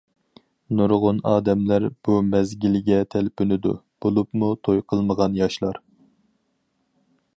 نۇرغۇن ئادەملەر بۇ مەزگىلگە تەلپۈنىدۇ، بولۇپمۇ توي قىلمىغان ياشلار.